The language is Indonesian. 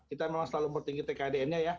kita memang selalu mempertinggi tkdn nya